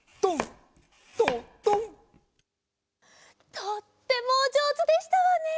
とってもおじょうずでしたわね！